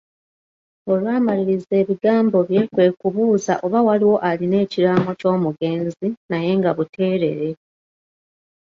Olwamaliriza ebigambo bye kwe kubuuza oba waliwo alina ekiraamo ky'omugenzi naye nga buteerere.